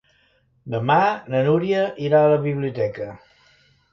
Demà na Núria irà a la biblioteca.